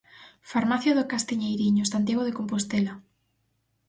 Farmacia do Castiñeiriño, Santiago de Compostela.